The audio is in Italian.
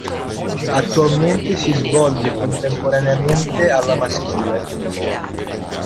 Attualmente si svolge contemporaneamente alla maschile.